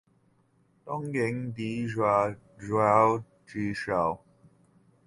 东京帝国大学教授。